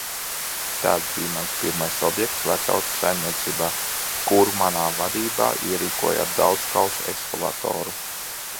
Tāds bija mans pirmais objekts Vecauces saimniecībā, kuru manā vadībā ierīkoja ar daudzkausu ekskavatoru.